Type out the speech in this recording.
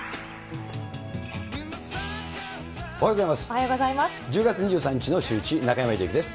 おはようございます。